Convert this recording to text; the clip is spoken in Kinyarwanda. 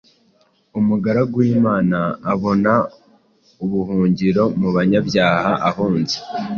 umugaragu w’Imana abona ubuhungiro mu banyabyaha ahunze